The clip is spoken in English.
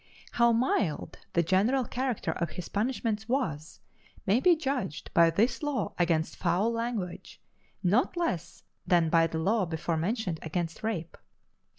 How mild the general character of his punishments was, may be judged by this law against foul language, not less than by the law before mentioned against rape.